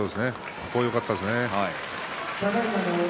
ここはよかったですね。